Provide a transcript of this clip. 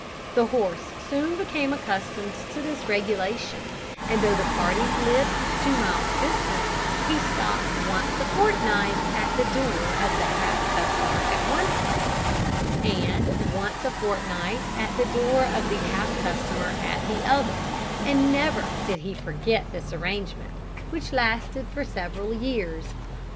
The horse soon became accustomed to this regulation, and though the parties lived two miles distant, he stopped once a fortnight at the door of the half customer at one place, and once a fortnight at the door of the half customer at the other; and never did he forget this arrangement, which lasted for several years.